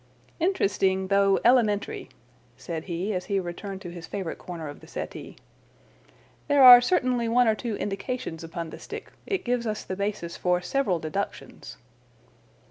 "Interesting, though elementary," said he as he returned to his favourite corner of the settee. "There are certainly one or two indications upon the stick. It gives us the basis for several deductions."